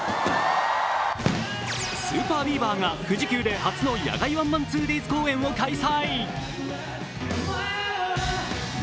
ＳＵＰＥＲＢＥＡＶＥＲが富士急で初の野外ワンマン２ｄａｙｓ公演を開催。